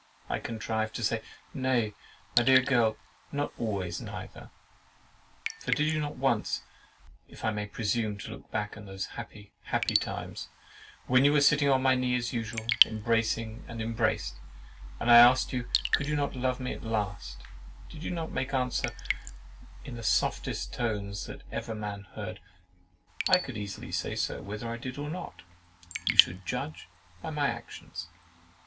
I contrived to say, "Nay, my dear girl, not always neither; for did you not once (if I might presume to look back to those happy, happy times), when you were sitting on my knee as usual, embracing and embraced, and I asked if you could not love me at last, did you not make answer, in the softest tones that ever man heard, 'I COULD EASILY SAY SO, WHETHER I DID OR NOT; YOU SHOULD JUDGE BY MY ACTIONS!